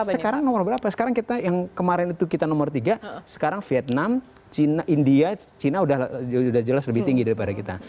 sekarang nomor berapa sekarang kita yang kemarin itu kita nomor tiga sekarang vietnam india china sudah jelas lebih tinggi daripada kita